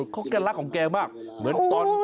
เฮ้ยเขารักของแกมากเหมือนตอน